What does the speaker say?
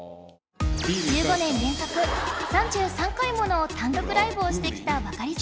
１５年連続３３回もの単独ライブをしてきたバカリズムさん